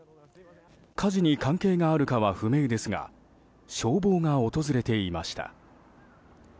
火事に関係があるかは不明ですが消防が訪れていました。